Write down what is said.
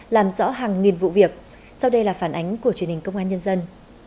làm rõ hàng nghìn vụ việc sau đây là phản ánh của truyền hình công an nhân dân